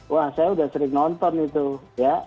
wah saya udah sering nonton itu ya